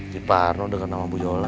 si pak arno denger nama bu yola